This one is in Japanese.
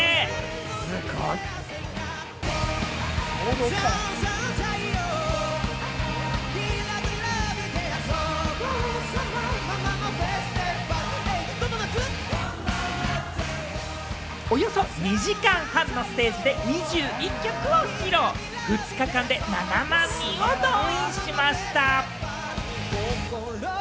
すごい！およそ２時間半のステージで２１曲を披露、２日間で７万人を動員しました。